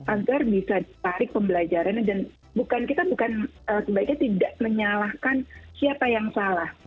agar bisa tarik pembelajaran dan kita bukan tidak menyalahkan siapa yang salah